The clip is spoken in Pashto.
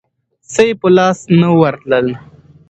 څه یې په لاس نه ورتلل.